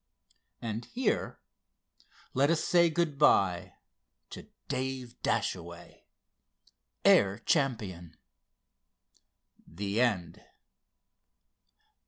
And here let us say good bye to Dave Dashaway, Air Champion. THE END.